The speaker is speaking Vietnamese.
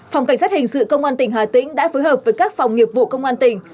phòng cảnh sát hình sự công an tỉnh hà tĩnh đã phối hợp với các phòng nghiệp vụ công an tỉnh